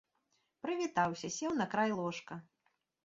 Прывітаўся, сеў на край ложка.